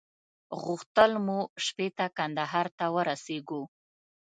غوښتل مو شپې ته کندهار ته ورسېږو.